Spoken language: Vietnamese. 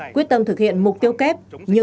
quyết tâm thực hiện mục tiêu kép